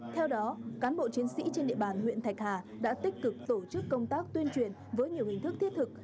theo đó cán bộ chiến sĩ trên địa bàn huyện thạch hà đã tích cực tổ chức công tác tuyên truyền với nhiều hình thức thiết thực